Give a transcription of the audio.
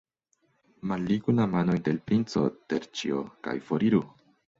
Malligu la manojn de l' princo, Terĉjo, kaj foriru!